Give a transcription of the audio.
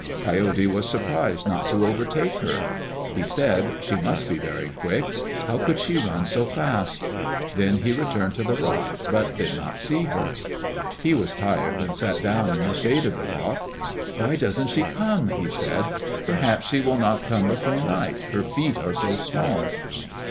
Coyote was surprised not to overtake her. He said, "She must be very quick. How could she run so fast?" Then he returned to the rock, but did not see her. He was tired and sat down in the shade of the rock. "Why does n't she come?" he said. "Perhaps she will not come before night, her feet are so small."